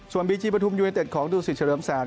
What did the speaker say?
ส่วนบิจิประทุมยูเนตเต็ดของดูสิทธิ์เฉลิมแสน